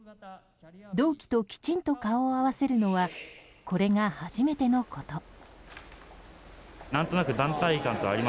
同期ときちんと顔を合わせるのはこれが初めてのこと。